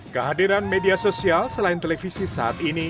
kehadiran media sosial selain televisi saat ini